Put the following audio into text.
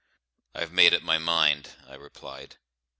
"I've made up my mind," I replied.